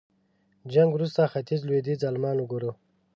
جنګ وروسته ختيځ لوېديځ المان وګورو.